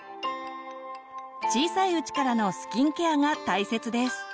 小さいうちからのスキンケアが大切です。